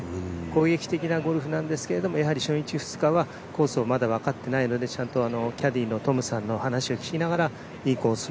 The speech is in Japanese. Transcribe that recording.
攻撃的なゴルフなんですけども、やはり初日、２日はコースをまだ分かってないのでキャディーの肩の話を聞いていいコース